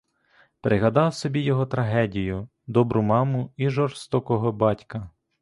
Пригадав собі його трагедію, добру маму і жорстокого батька.